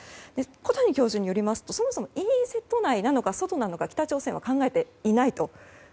小谷教授によりますと、北朝鮮はそもそもＥＥＺ内なのか外なのか考えていないと。